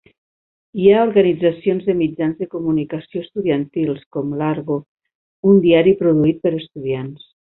Hi ha organitzacions de mitjans de comunicació estudiantils, com "l'Argo", un diari produït per estudiants.